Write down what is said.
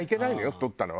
太ったのは。